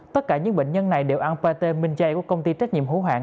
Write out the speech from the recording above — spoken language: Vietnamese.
tất cả những bệnh nhân này đều ăn pate minh chay của công ty trách nhiệm hữu hạng